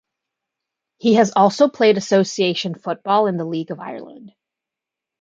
He has also played association football in the League of Ireland.